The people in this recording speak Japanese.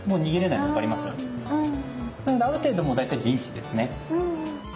なのである程度もう大体陣地ですね。